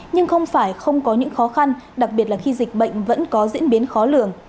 nhưng không phải không có những khó khăn đặc biệt là khi dịch bệnh vẫn có diễn biến khó lường